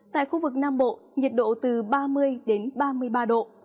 tại khu vực nam bộ nhiệt độ từ ba mươi đến ba mươi ba độ